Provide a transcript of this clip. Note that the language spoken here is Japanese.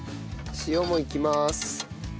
塩もいきます。